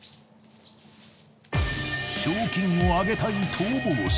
［賞金を上げたい逃亡者。